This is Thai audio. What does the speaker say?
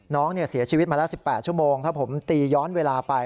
น้องเนี่ยเสียชีวิตมาละสิบแปดชั่วโมงถ้าผมตีย้อนเวลาไป